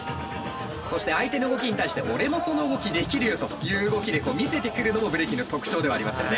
そして相手の動きに対して俺もその動きできるよという動きで見せてくるのもブレイキンの特徴ではありますよね。